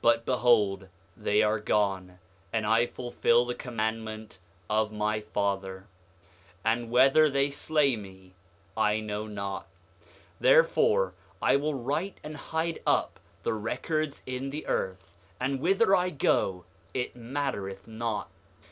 But behold, they are gone, and I fulfil the commandment of my father. And whether they will slay me, I know not. 8:4 Therefore I will write and hide up the records in the earth; and whither I go it mattereth not.